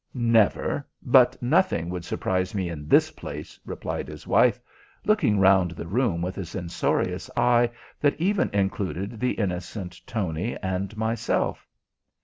"Never. But nothing would surprise me in this place," replied his wife, looking round the room with a censorious eye that even included the innocent Tony and myself.